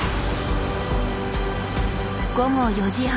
午後４時半。